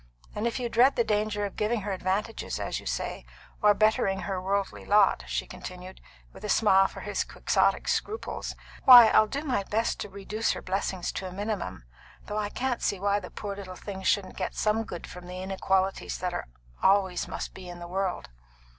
And if you dread the danger of giving her advantages, as you say, or bettering her worldly lot," she continued, with a smile for his quixotic scruples, "why, I'll do my best to reduce her blessings to a minimum; though I don't see why the poor little thing shouldn't get some good from the inequalities that there always must be in the world."